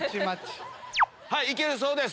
はい行けるそうです。